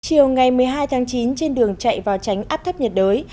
chiều ngày một mươi hai tháng chín trên đường chạy vào tránh áp thấp nhiệt đới